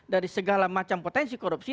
dari segala macam potensi korupsi